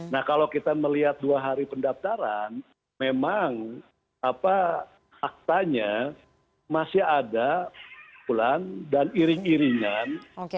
nah kalau kita melihat dua hari pendaftaran memang faktanya masih ada pulang dan iring iringan